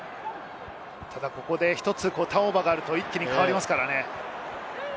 ただ１つターンオーバーがあると一気に変わりますからね。